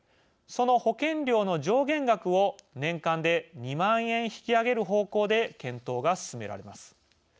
その保険料の上限額を年間で２万円、引き上げる方向で検討が進められます。